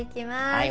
はい。